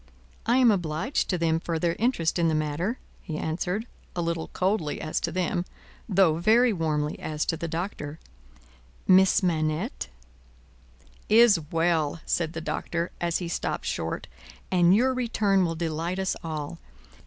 "I am obliged to them for their interest in the matter," he answered, a little coldly as to them, though very warmly as to the Doctor. "Miss Manette " "Is well," said the Doctor, as he stopped short, "and your return will delight us all.